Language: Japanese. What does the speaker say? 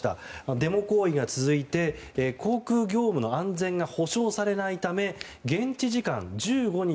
デモ行為が続いて航空業務の安全が保障されないため現地時間１５日